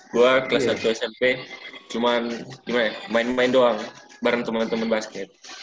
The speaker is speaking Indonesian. gue kelas satu smp cuman gimana ya main main doang bareng temen temen basket